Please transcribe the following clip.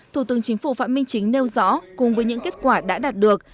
thủ tướng chính phủ phạm minh chính nêu rõ cùng với những kết quả đã đạt được